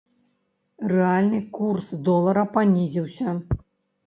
Рэальны курс долара панізіўся.